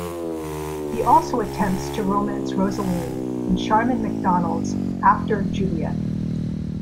He also attempts to romance Rosaline in Sharman Macdonald's "After Juliet".